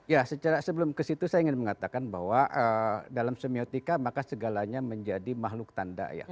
ya sebelum ke situ saya ingin mengatakan bahwa dalam semiotika maka segalanya menjadi makhluk tanda ya